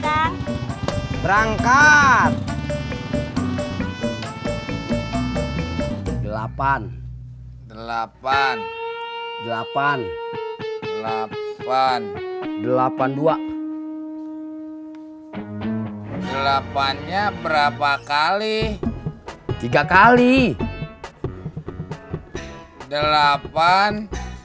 udah berangkat delapan delapan delapan delapan delapan dua delapannya berapa kali tiga kali delapan